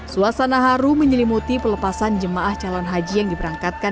suasana haru menyelimuti pelepasan jemaah calon haji yang diberangkatkan